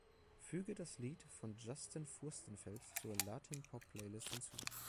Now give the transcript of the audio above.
Füge das Lied von Justin Furstenfeld zur Latin-Pop-Playlist hinzu.